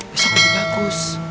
besok aku di bagus